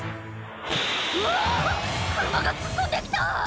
うわ⁉車が突っ込んできた！